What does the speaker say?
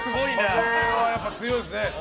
風はやっぱり強いですね。